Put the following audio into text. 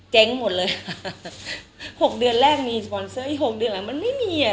เจ๊งหมดเลยหกเดือนแรกมีสปอนเซอร์อีกหกเดือนหลังมันไม่มีอ่ะ